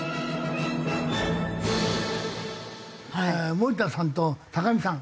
森田さんと見さん。